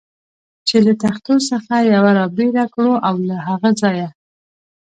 چې له تختو څخه یوه را بېله کړو او له هغه ځایه.